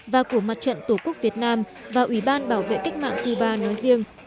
và của mặt trận tổ quốc việt nam và ủy ban bảo vệ cách mạng cuba nói riêng